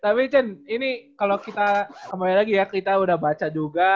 tapi cen ini kalau kita kembali lagi ya kita udah baca juga